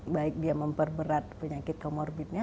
baik dia memperberat penyakit komorbidnya